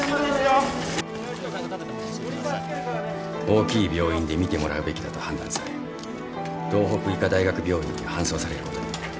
大きい病院で診てもらうべきだと判断され道北医科大学病院に搬送されることに。